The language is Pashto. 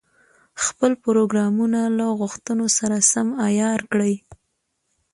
خپل پروګرامونه له غوښتنو سره سم عیار کړي.